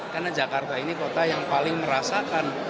karena jakarta ini kota yang paling merasakan